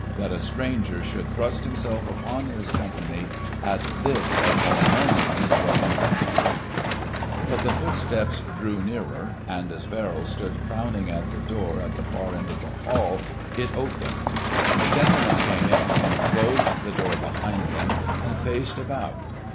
That a stranger should thrust himself upon his company at this of all moments was exasperating. But the footsteps drew nearer, and as Verrill stood frowning at the door at the far end of the hall, it opened. A gentleman came in, closed the door, behind him, and faced about.